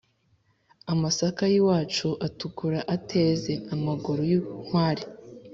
Amasaka y'iwacu atukura ateze-Amaguru y'inkware.